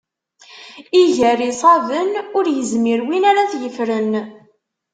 Iger iṣaben, ur izmir win ara t-iffren.